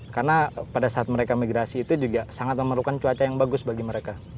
karena pada saat mereka migrasi itu juga sangat memerlukan cuaca yang bagus bagi mereka